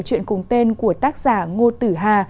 tựa truyện cùng tên của tác giả ngô tử hà